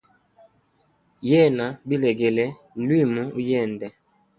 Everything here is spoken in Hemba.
Yena bilegele lwimu uyende.